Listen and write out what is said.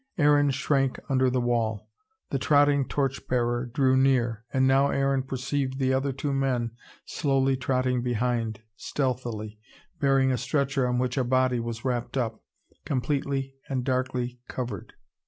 Aaron shrank under the wall. The trotting torch bearer drew near, and now Aaron perceived the other two men slowly trotting behind, stealthily, bearing a stretcher on which a body was wrapped up, completely and darkly covered.